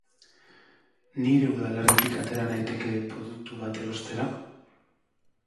Nire udalerritik atera naiteke produktu bat erostera?